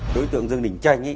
đối tượng dương đình tranh